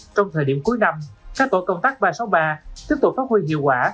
trong thời điểm cuối năm các tổ công tác ba trăm sáu mươi ba tiếp tục phát huy hiệu quả